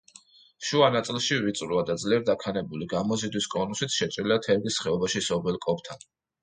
შუა ნაწილში ვიწროა და ძლიერ დაქანებული, გამოზიდვის კონუსით შეჭრილია თერგის ხეობაში სოფელ კობთან.